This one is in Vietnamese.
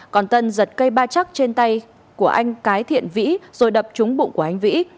còn tân giật cây ba chắc trên tay của anh cái thiện vĩ rồi đập trúng bụng của anh vĩ